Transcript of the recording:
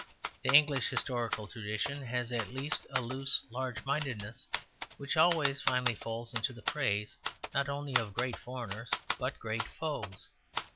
The English historical tradition has at least a loose large mindedness which always finally falls into the praise not only of great foreigners but great foes.